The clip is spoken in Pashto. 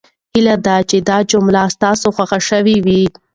هیله ده چې دا جملې ستاسو خوښې شوې وي.